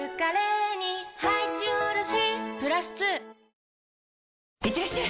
「ビオレ」いってらっしゃい！